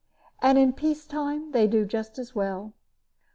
And in peace time they do just as well."